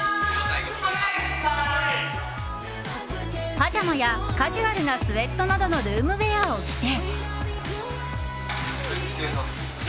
パジャマやカジュアルなスウェットなどのルームウェアを着て。